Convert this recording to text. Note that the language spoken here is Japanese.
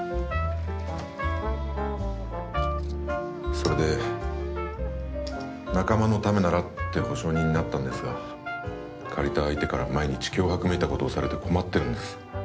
それで仲間のためならって保証人になったんですが借りた相手から毎日脅迫めいたことをされて困ってるんです。